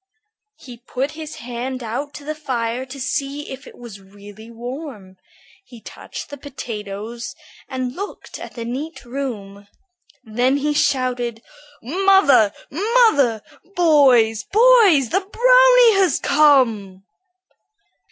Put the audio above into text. He put his hand out to the fire to see if it was really warm. He touched the potatoes and looked at the neat room. Then he shouted, "Mother, mother! boys, boys, the brownie has come!"